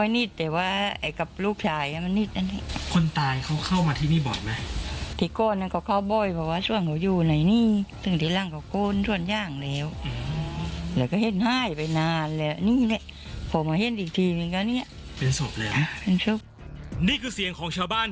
นี่คือเสียงของชาวบ้าน